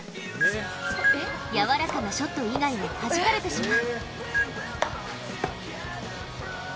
やわらかなショット以外ははじかれてしまう。